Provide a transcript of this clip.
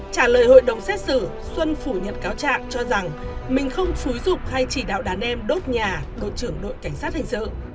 trả lời hội đồng xét xử xuân phủ nhận cáo trạng cho rằng mình không xúi dục hay chỉ đạo đàn em đốt nhà đội trưởng đội cảnh sát hình sự